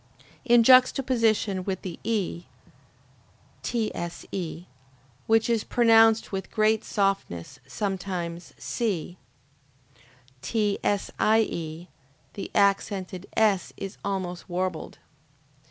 In juxtaposition with the E, (TSE,) which is pronounced with great softness, sometimes C, (TSIE,) the accented S is almost warbled.